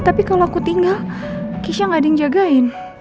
tapi kalau aku tinggal kisha gak ada yang jagain